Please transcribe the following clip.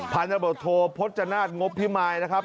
ผ่านก็โทแพราภพจนาถงบพี่มายนะครับ